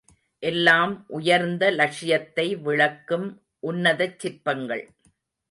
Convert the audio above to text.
எல்லாம் உயர்ந்த லக்ஷியத்தை விளக்கும் உன்னதச் சிற்பங்கள்.